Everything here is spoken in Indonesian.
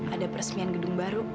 ada peresmian gedung baru